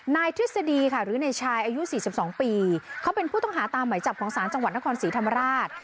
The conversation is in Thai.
ทฤษฎีค่ะหรือในชายอายุ๔๒ปีเขาเป็นผู้ต้องหาตามหมายจับของศาลจังหวัดนครศรีธรรมราช